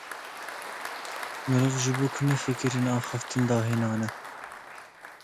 Mirov ji bo ku nefikirin, axaftin dahênane.